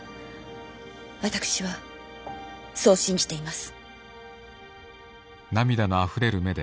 私はそう信じています。